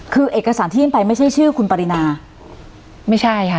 คือเอกสารที่ยื่นไปไม่ใช่ชื่อคุณปรินาไม่ใช่ค่ะ